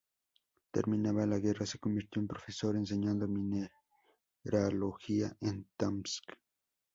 Terminada la guerra se convirtió en profesor, enseñando mineralogía en Tomsk.